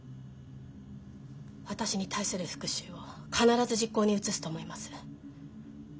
私に対する復讐を必ず実行に移すと思います。